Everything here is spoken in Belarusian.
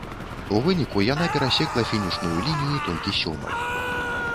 У выніку яна перасекла фінішную лінію толькі сёмай.